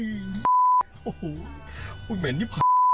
โอ้วเหม็นแห้งนี้